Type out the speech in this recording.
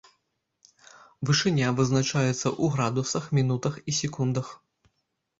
Вышыня вызначаецца ў градусах, мінутах і секундах.